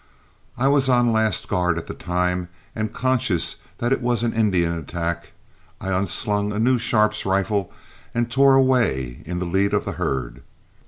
I was on last guard at the time, and conscious that it was an Indian attack I unslung a new Sharp's rifle and tore away in the lead of the herd.